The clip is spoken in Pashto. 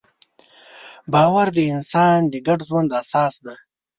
باور د انسان د ګډ ژوند اساس دی.